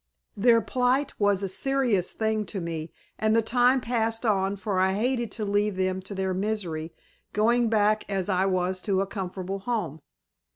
Their plight was a serious thing to me and the time passed on for I hated to leave them to their misery, going back as I was to a comfortable home.